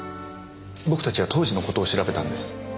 僕たちは当時のことを調べたんです。